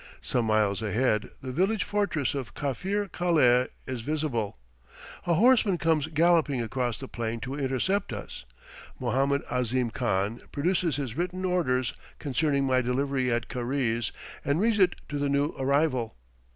Some miles ahead the village fortress of Kafir Kaleh is visible. A horseman comes galloping across the plain to intercept us. Mohammed Ahzim Khan produces his written orders concerning my delivery at Karize and reads it to the new arrival.